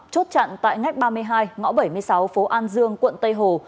chốt chặn tại ngách ba mươi hai ngõ bảy mươi sáu phố an dương quận tây hồ